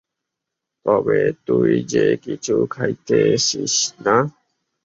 তবে তুই যে কিছু খাইতেছিস না!